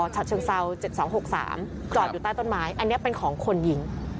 ชะเชิงเซาเจ็ดสองหกสามจอดอยู่ใต้ต้นไม้อันเนี้ยเป็นของคนยิง